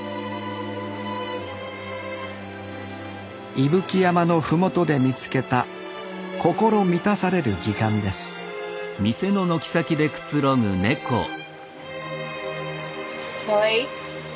伊吹山の麓で見つけた心満たされる時間ですかわいい？